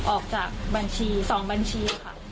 ออกจากบัญชี๒บัญชีค่ะ